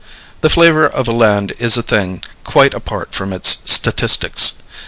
The flavor of a land is a thing quite apart from its statistics.